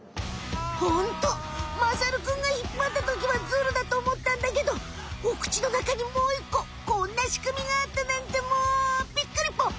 ホントまさるくんが引っぱったときはズルだとおもったんだけどお口の中にもういっここんなしくみがあったなんてもうびっくりポン！